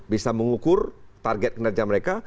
bisa mengukur target kinerja mereka